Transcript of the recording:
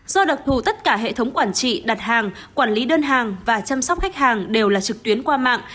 do đặc thù tất cả hệ thống quản trị đặt hàng quản lý đơn hàng và chăm sóc khách hàng đều là trực tuyến qua mạng